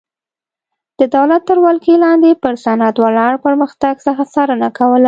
د دولت تر ولکې لاندې پر صنعت ولاړ پرمختګ څخه څارنه کوله.